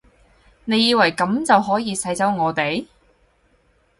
你以為噉就可以使走我哋？